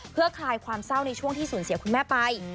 เพื่อคลายความเศร้าในช่วงที่สูญเสียคุณแม่ไป